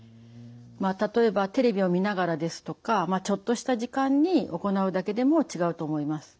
例えばテレビを見ながらですとかちょっとした時間に行うだけでも違うと思います。